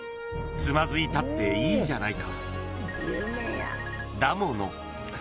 「つまづいたっていいじゃないか」